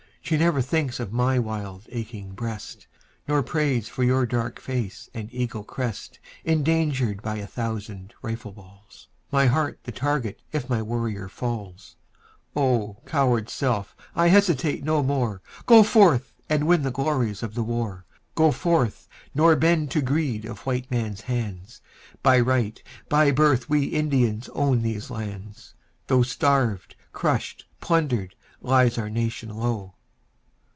She never thinks of my wild aching breast, Nor prays for your dark face and eagle crest Endangered by a thousand rifle balls, My heart the target if my warrior falls. O! coward self I hesitate no more; Go forth, and win the glories of the war. Go forth, nor bend to greed of white men's hands, By right, by birth we Indians own these lands, Though starved, crushed, plundered, lies our nation low...